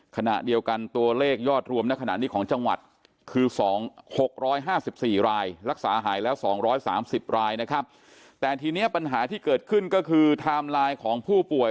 ขณะเดียวกันตัวเลขยอดรวมในขณะนี้ของจังหวัดคือ๖๕๔ราย